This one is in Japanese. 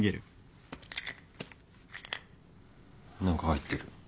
何か入ってる